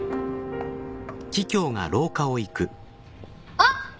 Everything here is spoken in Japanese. あっ！